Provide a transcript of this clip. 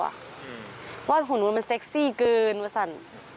ว่าของหนูมันเซ็กซี่เกินว่ะสัน